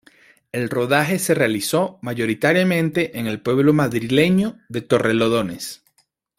El rodaje se realizó mayoritariamente en el pueblo madrileño de Torrelodones.